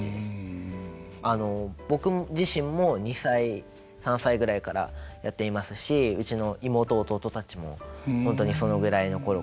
僕自身も２歳３歳ぐらいからやっていますしうちの妹弟たちも本当にそのぐらいの頃からやってます。